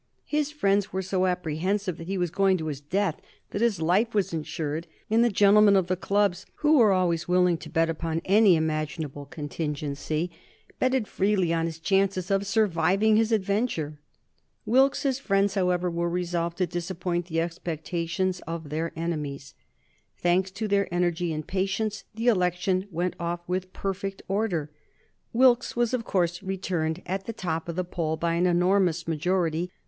His friends were so apprehensive that he was going to his death that his life was insured, and the gentlemen of the clubs, who were always willing to bet upon any imaginable contingency, betted freely on his chances of surviving his adventure. Wilkes's friends, however, were resolved to disappoint the expectations of their enemies. Thanks to their energy and patience, the election went off with perfect order. Wilkes was, of course, returned at the top of the poll by an enormous majority.